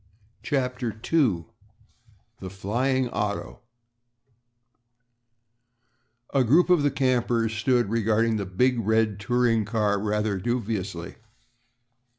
CHAPTER II THE FLYING AUTO A group of the campers stood regarding the big red touring car rather dubiously.